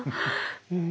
うん。